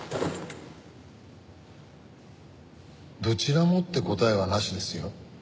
「どちらも」って答えはなしですよ。